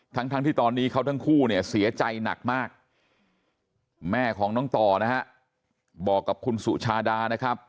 ทั้งที่ตอนนี้เขาทั้งคู่เนี่ยเสียใจหนักมากแม่ของน้องต่อนะฮะบอกกับคุณสุชาดานะครับ